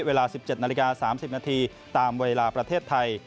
เวลา๑๗นาฬิกา๓๐นาทีตามเวลาประเทศไทย